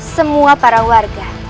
semua para warga